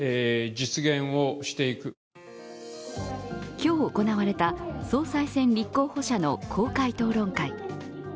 今日、行われた総裁選立候補者の公開討論会。